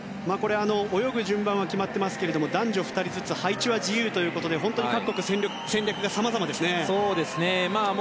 泳ぐ順番は決まってますけれども男女２人ずつ配置は自由ということで各国、戦略がさまざまですよね。